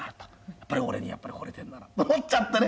やっぱり俺にほれてるんだと思っちゃってね